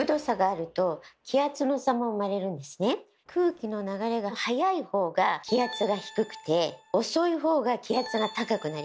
空気の流れが速いほうが気圧が低くて遅いほうが気圧が高くなります。